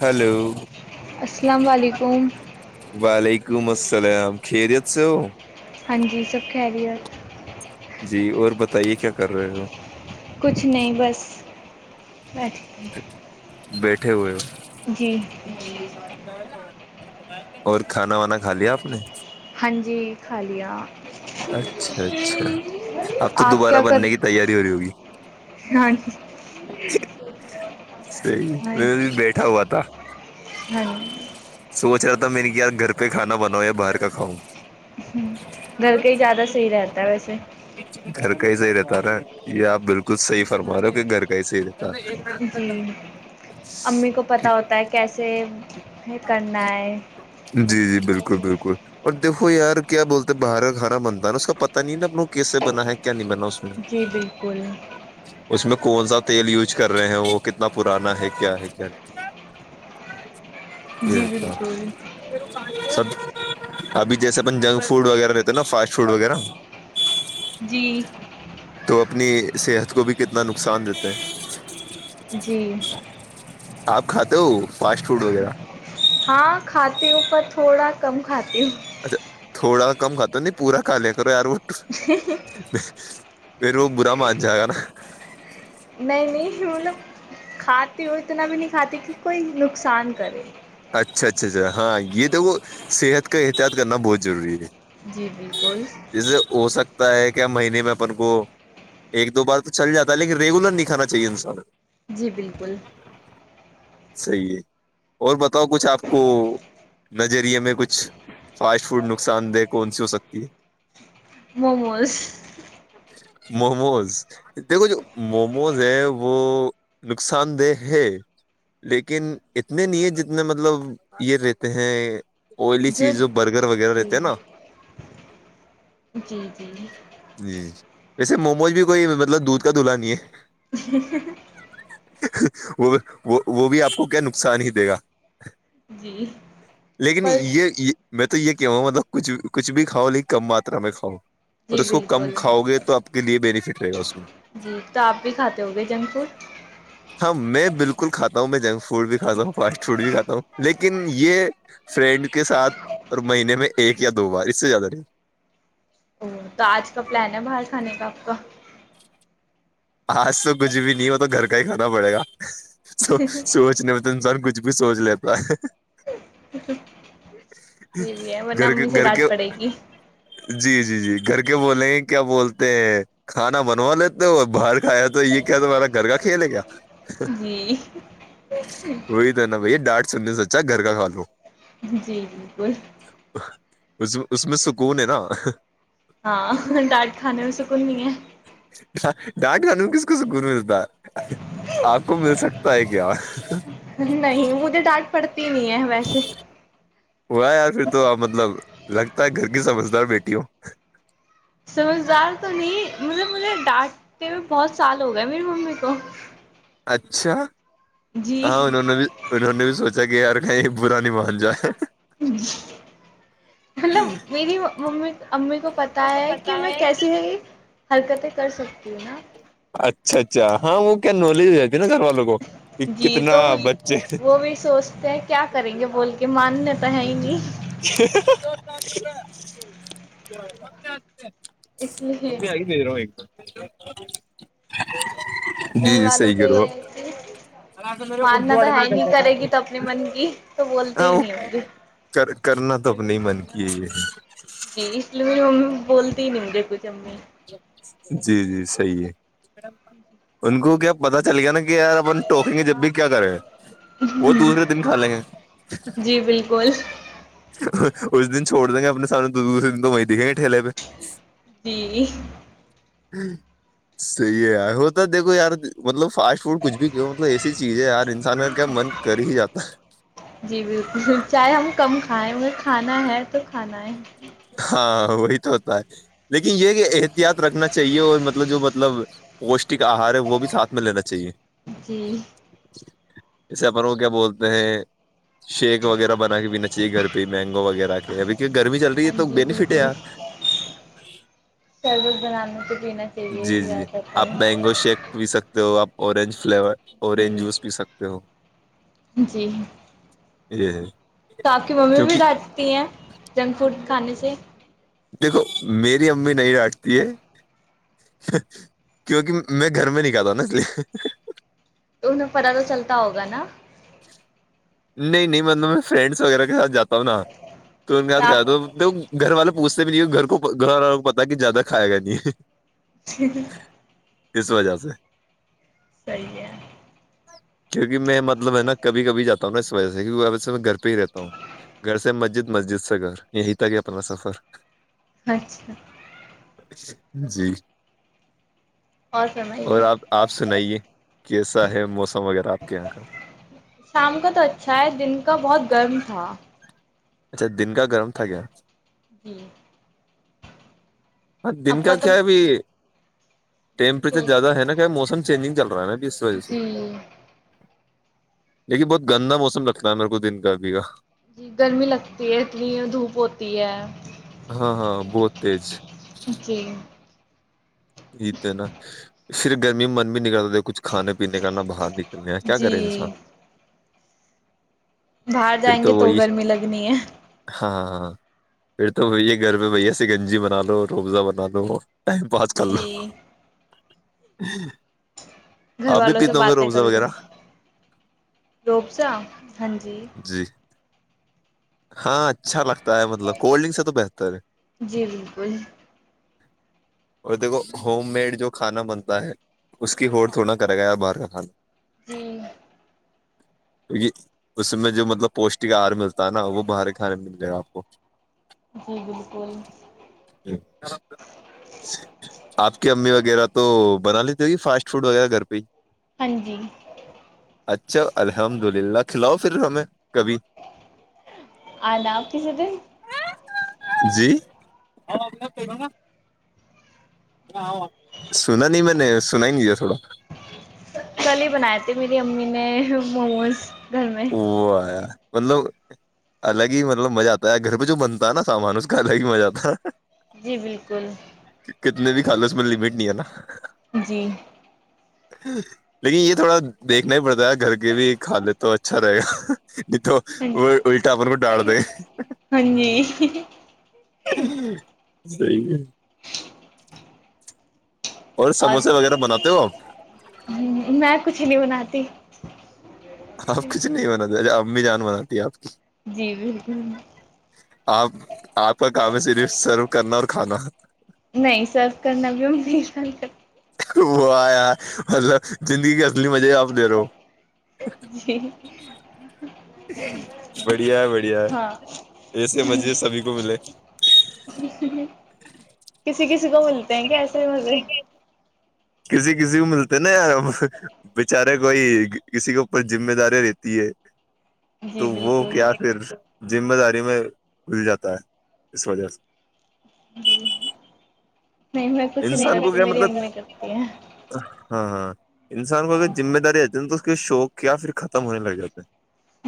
hello السلام علیکم وعلیکم [inaudible] ولیکم السلام خیریت سے ہو ہاں جی سب خریر [inaudible] جی اور بتائیے کیا کر رہے ہو کچھ نہیں بس ا [inaudible] بیٹھے ہوئے ہو [inaudible] جی [inaudible] اور کھانا وانا کھا لیا آپ نے [inaudible] ہاں جی خالیا [inaudible] اچھا اچھا اب تو آپ دوبارہ کیا کر بننے کی تیاری ہو رہی ہوگی ہاں جی صحی ہاں میں جی بیٹھا ہوا تھا ہاں سوچ رہا تھا [inaudible] میں نے کیایار گھر پہ کانا بناؤ یا باہر کا کھاؤں ہ گل کے [unintelligible] زیادہ صحیح رہتا ہے ویسے [inaudible] کیسے ہی رہتا نا یہ آپ بالکل صحی فرما رہو ہو کہ گھر کیسے ہی جی رہ امی کو پتہ ہوتا ہے کیسے کرنا ہے جی جی بالکل بالکل اور دیکھو یار [inaudible] کیا بولتے باہر [inaudible] گانا بنتا ہےا اس کا پتا نہیں نا اپ کو کیس سے بنا ہے کیا نہیں بنا اس میں جی بالکل [inaudible] اس میں کون سا تیل یوز کر رہے ہیں وہ کتنا پرانا ہے کیا ہے کیا نہیں [inaudible] جی بالکل [inaudible] سب ابھی جیسے اپن جنک فوڈ وغیرہ رہتے [inaudible] نا فاسٹ فوڈ وغیرہ [inaudible] جی تو [inaudible] اپنی صحت کو بھی کتنا نقصان دیتے ہیں [inaudible] جی آپ کھاتے ہو فاسٹ فوڈ وغیرہ ہاں کھاتیوپر [inaudible] تھوڑا کم کھات [inaudible] اچھا تھوڑا رکم کھاتو نہیں پورا کا لیا کرو ار [unintelligible] [inaudible] پھر وہ برا مان جائے گا نا نہیں نہیں ہ کھا وہ اتنا بھی نہیں کھاتے کہ کوئی نقصان کرے اچھا اچھا اچھا ہاں یہ تو وہ صحت کا احتیاط کرنا بہت ضروری ہے جی بالکل جیسے ہو سکتا کیا مہینے میں اپن کو ایک دو بار تو چل جاتا ہے لیکن ریگولر نہیں کھانا چاہیے انسان کو جی بالکل صحیح ہے اور بتا بتاؤ کچھ آپ کو نظریے میں کچھ فاسٹ فوڈ نقصان دہ کون سی ہو سکتی ہے موموز [unintelligible] موموز دیکھو جو موموز ہے وہ نقصان دہ ہے لیکن اتنے نہیں ہے جتنے اتنے مطلب یہ رہتے ہیں ائلی چیز جو برگر وغیرہ رہتے جی نا جی جی [unintelligible] جی جی ویسے موموز بھی کوئی مطلب دودھ کا دلہا نہیں ہے [unintelligible] وہ وہ وہ بھی آپ کو کیا نقصان ہی دے گا جی لیکن پرس یہ یہ میں تو یہ کہا ہ مطلب کچھ کچھ بھی کھاؤ لیکن کم ماترا میں کھاؤ جی اور اس کو کم بالکل کھاؤ گے تو آپ کے لیے بینیفٹ تو جی تو آپ بھی کھاتے ہو گے جنک فوڈ بکل کاتا ہوں میں جنک فڈ بھی کھات ہوں پار چھوٹ بھی کاتا ہوں لیکن یہ فرینڈ کے ساتھ اور مہینے میں ایک یا دو بار اس سے زیادہ نہیں او تو آج کا پلان ہے باہر کھانے کا آپ کا آج تو کچھ بھی نہیں ہو تو گھر کا ہی کھانا پڑے گا سو سوچنے ب سب کھ کھ بھی سوچ لیتا ہے یہ بھی ہے ورنہ گھر کے امی سے گھر کے ڈانٹ پڑے گی جی جی جی گھر کے بولے ہیں کیا بولتے ہیں کھانا بنوا لیتے ہو باہر کھایا تو یہ کیا تمہارا گھر کا کھیلے گ جی وہی تو نا بھ ڈانٹ سننے سچا گھر کا کھا لو جی بالکل اس اس میں سکون ہے نا ہاں ڈاٹ کان میں سےکنی ہے ڈانٹ ران میں کس کو سکون ملتا ہے آپ کو مل سکتا ہے کیا تی نہیں ہے ویسے ہوا ہے یار پھر تو مطلب لگتا ہے گھر کی سمجھدار بیٹیوں سمجھدار تو نہیں مطلب مجھے ڈانٹتے میں بہت سال ہو گئے میری ممی کو اچھا ہاں جی انہوں نے بھی انہوں نے بھی سوچا کہ یار نہیں برا نہیں مان جائے مطلب میری ممی امی کو پتا ہے کہ میں کیسی ہے حرکتیں کر سکتی ہیں اچھا اچھا ہاں وہ کیا نالج ہے نا گھر والوں کو کہ جی کتنا تو بچے وہ بھی سوچتے ہیں کیا کریں گے بول کے مان [unintelligible] [inaudible] [unintelligible] اس لیے [unintelligible] [inaudible] گھر جی جی والوں صحیح کو کرو یہ ہے کہ ماننا تو ہے نہیں کرے گی تو اپنے من کی تو بولتے ہی نہیں مھے کر کرنا تو اپنے ہی من کی ہے یہ جی اس لیے ہے میری ممی [unintelligible] [inaudible] [inaudible] جی جی صحیح ہے ان کو کیا پتا چل گیا نا کہ یار اپن ٹوکیں گے جب بھی کیا کریں وہ دوسرے دن کھا لیں گے جی بالکل اس دن چھوڑ دیں گے اپنے سامنے تو دوسرے دن تو وہیں دکھیں گےٹھیلے پہ جی صحی ہے ہوتا دیکھو یار مطلب فاسٹ فوڈ کچھ بھی کیوں مطلب ایسی چیز ہے یار انسان کا کیا من کر ہی جاتا ہے جی بالکل چاہے ہم کم کھائیں مگر کھانا ہے تو کھانا ہے ہاں وہی تو ہوتا ہے لیکن یہ کہ احتیاط رکھنا چاہیے اور مطلب جو مطلب پوسٹ کا آہار ہے وہ بھی ساتھ میں لینا چاہیے جی اسے اپن وہ کیا بولتے ہیں شیک وغیرہ بنا کے پینا چاہیے گھر پہ مینگو وغیرہ کے ابھی کہ گرمی چل رہی ہے ہاں تو جی بینیفٹ ہے بالکل یار سربز بنانے تو پینا چاہیے جی ہی جی زیادہ آپ مینگو شیک پی سکتے ہو آپ اورورنج فلیور اورینج جوس تر پی سکتے ہو جی جی تو آپ کی ممی بھی ڈاتتی ہیں جنک فوڈ کھانے سے دیکھو میری امی نہیں ڈانٹتی ہے کیونکہ میں گھر میں نہیں کتا نا اس لیے تو ان میں پتا تو چلتا ہوگا نا نہیں نہیں مطلب میں فرینڈس وغیرہ کے ساتھ جا تاا تو کہ گھر والے پ بھی نہیں گھر کو گھر والوں کو پتا کہ زیادہ کھائے گا نہیں ہے جیک کس وجہ سے ہے [unintelligible] کیونکہ میں مطلب ہے نا جاتا ہوں نا اس وجہ سے کی وہ سے میں گھر پہ ہی رہتا ہوں گھر سے مسجد مسجد سے گھر یہی تھاک کہ اپنا سفر اچھا جی [unintelligible] اور آپ آپ سنائیے کیسا ہے موسم اگر آپ کے یہاں کا شام کا تو اچھا ہے دن کا بہت گرم تھا اچھا دن کا گرم تھا گ جی ہ دن آپ کا تو کیا اب ٹیمپریچر زیادہ ہے نا کیا موسم چینجنگ چل رہا ہے ناب اس وجہ سے جی دیکھیے بہت گندا موسم لگتا ہے میرے کچھ دن کا ابھی کا جی گرمی لگتی ہے اتنی دھوپ ہوتی ہے تیج [unintelligible] جکی [unintelligible] جتے ہے نا پرف گرمی میں من بھی نکلتا تھا کچھ کھانے پینے کانا باہر نکل کر کیا جی کرے انسان باہر پھر جائیں گے تو وہی گرمی لگنی ہے ہاں ہاں ہاں پھر تو وہی ہے گھر میںہ بھیا س گنجی بنا لو روزہ بنا لو ٹائم پاس جی ہاں گھر والوں سے باتیں کر لو روبا ہاں جی ہاں اچھا لگتا ہے مطلب کولڈ ڈرنک سے تو بہتر ہے جی بالکل اور دیکھو ہوم میڈ جو کھانا بنتا ہے اس کی ہو تھوڑا کرے گایا باہر کا کھانا جی [unintelligible] کیکہ اس میں جو مطلب پوشٹک آہار ملتا ہے نا وہ باہے کھانے میں ملے گا آپ کو جی بالکل آپ کی امی وہ وغیرہ تو بنا لیتے ہو گی فاسٹ فوڈ وغیرہ گھر پہ ہی ہاں جی اچھا الحمد للہ کلاؤ پر میں آد کییس تھ جی اور میں کہوںا [inaudible] سنا نہیں میں نے سنا ہی نہیںیا تھوڑا [inaudible] کل ہی بنائے تھے میری امی نے موموز [inaudible] گھر میں وہ آیا مطلب الگ ہی مطلب مزہ آتا ہے یار گھر پہ جو بنتا ہے نا سامان اس کا الگ ہی مزہ آتا ہے جی بالکل کلو م لمیٹ نہیں ہے نا جی لیکن یہ تھوڑا دیکھنا ہی پڑتا ہے گھر کے بھی کھا لے تو اچا اچھا رہے گا [unintelligible] نہیں تو ہاں اللٹا پر کو ڈال دے جی [unintelligible] صحی ہے اور میں کچھ نہیں بناتا [inaudible] ی [unintelligible] آپ کچھ نہیں بانا چاہے آپ [unintelligible] امی جان بناتی ہے آپ کی جی بالکل آپ [unintelligible] آپ کا کام ہے صرف سرو کرنا اور کھانا نہیں سرو کرنا بھی ہم نہیں [inaudible] وہ آیا مطلب زندگی کی اصلی مزے ہے آپ دے رہو ہو [unintelligible] ج بڑھیا ہے بڑھیا ہے ہاں ایسے مزے سبھی کو ملے کسی کسی کو ملتے ہیں کیا ایسے مزے [inaudible] کسی کسی کو ملتے نا یار بچارے کوئی کسی کے اوپر ذمہ داری رہتی ہے جی تو وہ بالکل کیا پھر [inaudible] ذمہ داری میں گل جاتا ہے اس وجہ سے نہیں میں کچھ نہیں انسان کو کرتی کیا میری مطلب امی کرتی ہیں ہاں ہاں انسان کو اگر ذمہ داری آتی ن تو اس کے شوق کیا پھر ختم ہونے لگ جات ہیں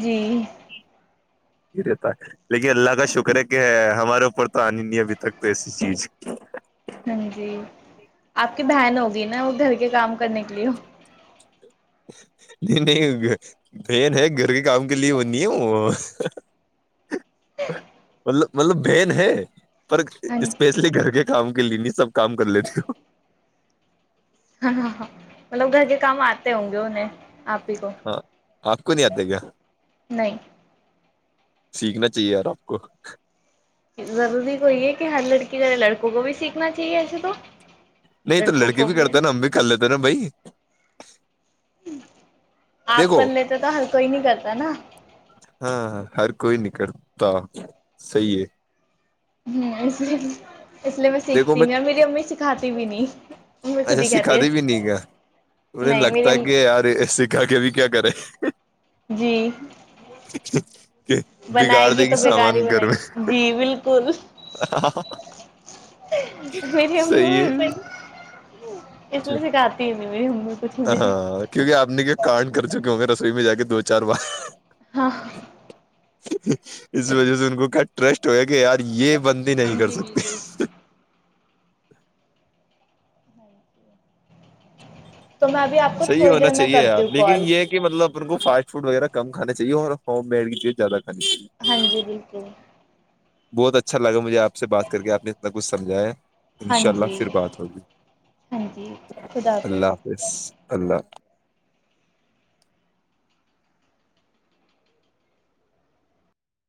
جی [unintelligible] رہتا ہے لیکن اللہ کا شکر ہے کہ ہے ہمارے اوپر تو آنی ہی نہیں ابھی تک تو ایسی چیز ہ جی آپ کی بہن ہوگی نا وہ گھر کے کام کرنے کے لیے نہیں نہیں بہن ہے گھر کے کام کے لیے وہ نہیں ہ مطلب مطلب بہن ہے پر اسپیشلی گھر کے کام کے لیے نہیں سب کام کر لیتی ہوں ہاں ہاں ہاں مطلب گھر کے کام آتے ہوں گے انہیں آپ کو ہاں آپ کو نہیں آتے کیا نہیں سیکھنا چاہیے یار آپ کو ضروری کو یہ ہے کہ ہر لڑکیے لڑکوں کو بھی سیکھنا چاہیے ایسے تو نہیں تو لڑکی بھی کرتے ہے نا ہم بھی کر لیتے نا بھائی [unintelligible] آپ کر دیکھو لیتے تو ہر کوئی نہیں کرتا نا ہاں ہر کوئی نہیں کرتا صیح ہے ہ اس لیے میں سیکھتی نہیں اور میری امی سکھاتی ت بھی نہیں امی خود اچھا ہی سکھا کہتی دی بھی ہے نہیں گ انہیں نہیں میری لگتا ہے امی کہ یار سکھا کے ابھی کیا کرے جی کہ بنائے بگاڑ گی دے تو بیکار ہی سامان گھر بنائے میں گی جی بالکل میری امی میں صحیح ہے اس لیے سکھاتی ہ ہاں کیونکہ آپ نے کے کارڈ کر چکے ہوں گے ر سوئی میں جا کے دو چار بار ہاں اس وجہ سے ان کو ک ٹرسٹ ہو گیا کہ آج یہ بندی ہاں نہیں کر جی سکتی بالکل [inaudible] تو میں اب آپ کو تھوڑی دیر میں کرتی ہوں کال ا ان کو فاسٹ فڈ وغیرہ کھا چاہیے ہو میڈ کی چیز زیاد کھانیی ہاں جی بالکل بہت اچھا لگ مجھ آپ سے بات کر کے آپ نے اس ب گ سم جائے ہاں انشاء اللہ جی پھر بات ہوگی ہاں جی خدا اللہ حافظ اللہظ